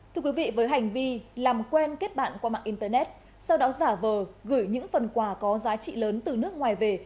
thưa quý vị với hành vi làm quen kết bạn qua mạng internet sau đó giả vờ gửi những phần quà có giá trị lớn từ nước ngoài về